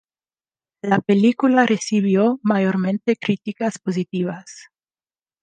La película recibió mayormente críticas positivas.